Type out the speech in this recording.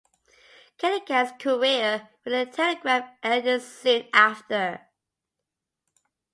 Gilligan's career with the Telegraph ended soon after.